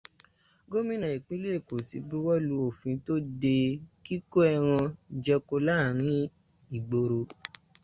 Gómìnà ìpínlẹ̀ Èkó tí buwọ́lu òfín tó de kíkó ẹran jẹko láàrín ìgboro